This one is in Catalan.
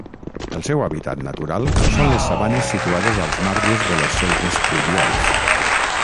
El seu hàbitat natural són les sabanes situades als marges de les selves pluvials.